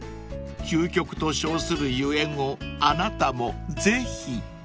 ［究極と称するゆえんをあなたもぜひ］